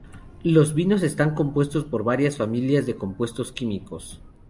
Los vinos están compuestos por varias familias de compuestos químicos.